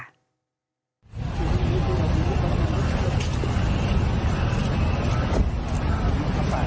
อะไร